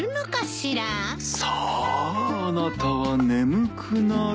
さああなたは眠くなる。